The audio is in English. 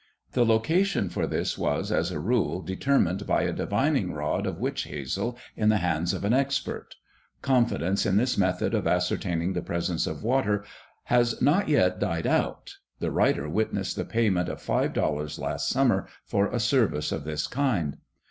The location for this was, as a rule, determined by a divining rod of witch hazel in the hands of an expert. Confidence in this method of ascertaining the presence of water has not yet died out (the writer witnessed the payment of five dollars last summer for a service of this kind).